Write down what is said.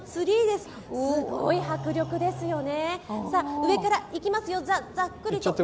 すごい迫力ですよね。